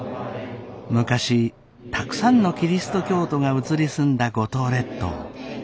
昔たくさんのキリスト教徒が移り住んだ五島列島。